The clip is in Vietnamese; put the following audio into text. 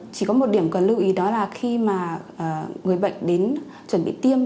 chỉ có một điểm cần lưu ý đó là khi mà người bệnh đến chuẩn bị tiêm